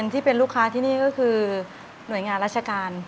ที่เป็นลูกค้าที่นี่ก็คือหน่วยงานราชการ